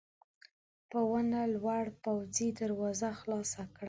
په ونه لوړ پوځي دروازه خلاصه کړه.